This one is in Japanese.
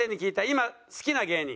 今好きな芸人。